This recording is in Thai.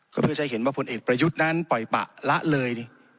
ก็เพื่อจะเห็นว่าผลเอกประยุทธ์นั้นปล่อยปะละเลย